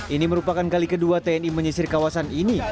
ini merupakan kali kedua tni menyisir kawasan ini